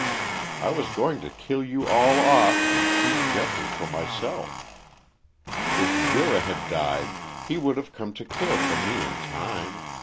I was going to kill you all off and keep Geoffrey for myself. If Vera had died he would have come to care for me in time.